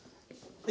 はい。